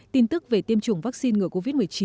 tin tức về tiêm chủng vaccine ngừa covid một mươi chín